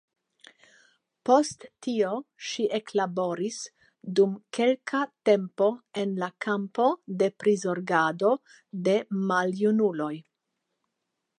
Post tio ŝi eklaboris dum kelka tempo en la kampo de prizorgado de maljunuloj.